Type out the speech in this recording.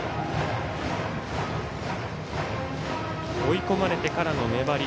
追い込まれてからの粘り。